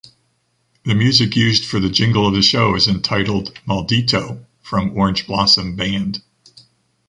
The music used for the jingle of the show is entitled Maldito, from Orange Blossom band.